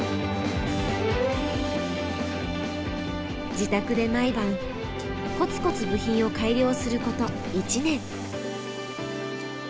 自宅で毎晩こつこつ部品を改良すること１年。